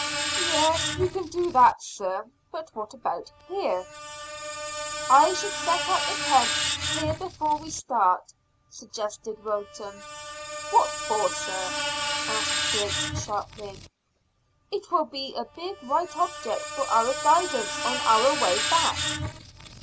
"Yes, we can do that, sir. But what about here?" "I should set up the tent here before we start," suggested Wilton. "What for, sir?" asked Griggs sharply. "It will be a big white object for our guidance on our way back."